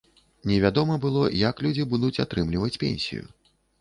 Невядома было, як людзі будуць атрымліваць пенсію.